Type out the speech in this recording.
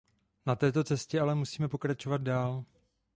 Na této cestě ale musíme pokračovat dál.